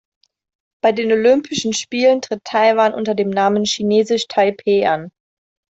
Bei den Olympischen Spielen tritt Taiwan unter dem Namen „Chinesisch Taipeh“ an.